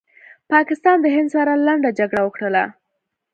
پاکستان د هند سره لنډه جګړه وکړله